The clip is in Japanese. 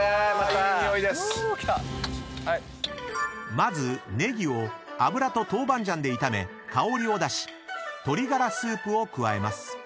［まずネギを油と豆板醤で炒め香りを出し鶏がらスープを加えます］